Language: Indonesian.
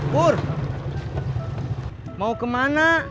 pur mau kemana